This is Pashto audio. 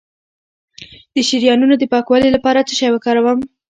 د شریانونو د پاکوالي لپاره څه شی وکاروم؟